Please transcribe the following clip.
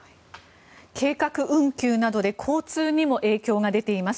計画運休などで交通にも影響が出ています。